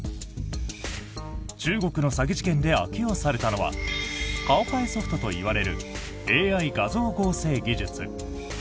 中国の詐欺事件で悪用されたのは顔変えソフトといわれるＡＩ画像合成技術。